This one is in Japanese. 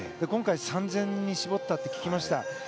今回、３０００人に絞ったと聞きました。